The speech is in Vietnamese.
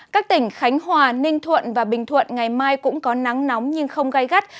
các tỉnh khánh hòa ninh thuận và bình thuận ngày mai cũng có nắng nóng nhưng không gây gắt